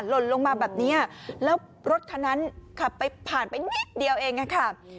หล่นลงมาแบบนี้แล้วรถคันนั้นขับไปผ่านไปนิดเดียวเองค่ะ